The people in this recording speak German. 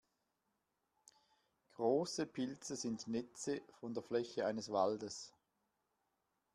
Große Pilze sind Netze von der Fläche eines Waldes.